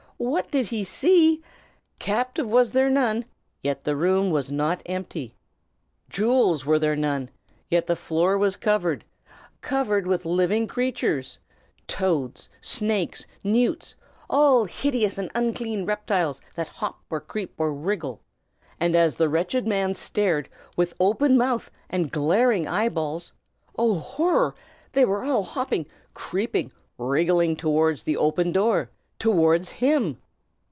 What did he see? Captive was there none, yet the room was not empty. Jewels were there none, yet the floor was covered; covered with living creatures, toads, snakes, newts, all hideous and unclean reptiles that hop or creep or wriggle. And as the wretched man stared, with open mouth and glaring eye balls, oh, horror! they were all hopping, creeping, wriggling towards the open door, towards him!